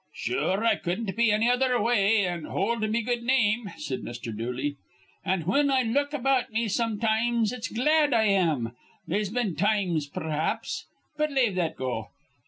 "Sure, I cudden't be anny other way, an' hold me good name," said Mr. Dooley. "An', whin I look about me sometimes, it's glad I am. They'se been times, perhaps But lave that go.